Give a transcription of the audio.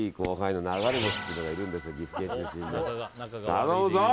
頼むぞ！